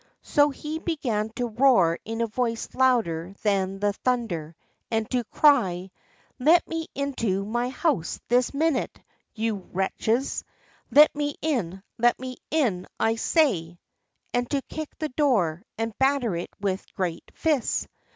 So he began to roar in a voice louder than the thunder, and to cry: "Let me into my house this minute, you wretches; let me in, let me in, I say," and to kick the door and batter it with his great fists.